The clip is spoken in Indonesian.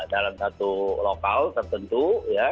dalam satu lokal tertentu